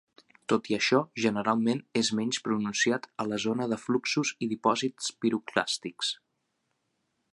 Tot i això, generalment és menys pronunciat a la zona de fluxos i dipòsits piroclàstics.